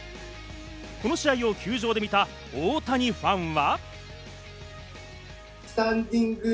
この試合を球場で見た大谷ファンは。